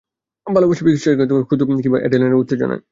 ভালোবাসা, বিশ্বাসঘাতকতা, ক্রোধ, অথবা অ্যাড্রেনালিনের উত্তেজনায়।